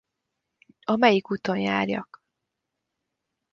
A Melyik úton járjak?